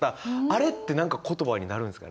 あれって何か言葉になるんですかね？